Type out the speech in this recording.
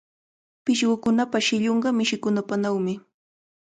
Pishqukunapa shillunqa mishikunapanawmi.